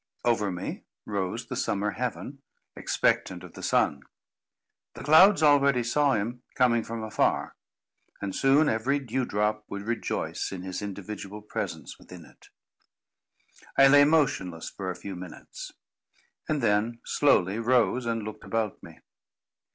Over me rose the summer heaven, expectant of the sun. The clouds already saw him, coming from afar; and soon every dewdrop would rejoice in his individual presence within it. I lay motionless for a few minutes; and then slowly rose and looked about me.